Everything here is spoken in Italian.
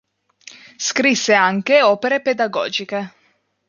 Scrisse anche opere pedagogiche.